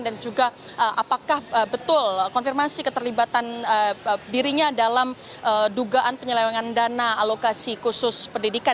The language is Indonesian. juga apakah betul konfirmasi keterlibatan dirinya dalam dugaan penyelewengan dana alokasi khusus pendidikan